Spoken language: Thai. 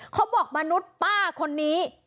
เขาบอกมนุษย์ป้าคนนี้